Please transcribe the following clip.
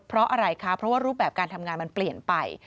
เพราะอะไรคะเพราะว่ารูปแบบการทำงานมันเปลี่ยนไป